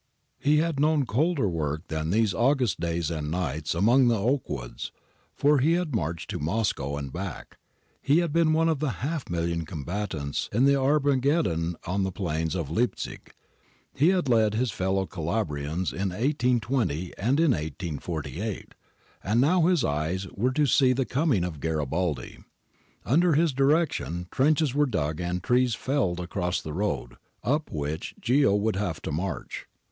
10 * 148 GARIBALDI AND THE MAKING OF ITALY had known colder work than these August days and nights among the oak woods, for he had marched to Moscow and back ; he had been one of the half milHon combatants in the Armageddon on the plains of Leipzig; he had led his fellow Calabrians in 1820 and in 1848, and now his eyes were to see the coming of Garibaldi. Under his direction trenches were dug and trees felled across the road up which Ghio would have to march.